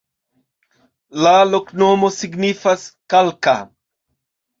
La loknomo signifas: kalka.